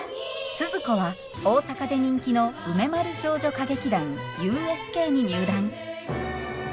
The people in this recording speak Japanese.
スズ子は大阪で人気の梅丸少女歌劇団ＵＳＫに入団。